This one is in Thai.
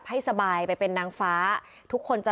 พี่น้องวาหรือว่าน้องวาหรือ